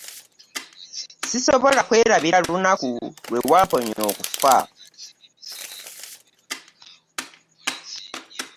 Sisobola kwerabira lunaku lwewamponya okuffa.